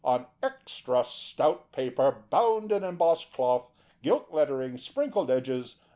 On extra stout paper, bound in embossed cloth, gilt lettering, sprinkled edges.